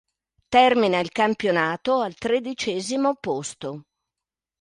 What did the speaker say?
Termina il campionato al tredicesimo posto.